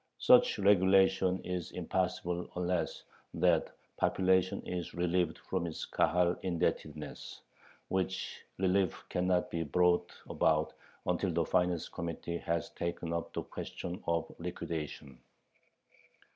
Such regulation is impossible unless that population is relieved from its Kahal indebtedness, which relief cannot be brought about until the finance committee has taken up the question of liquidation.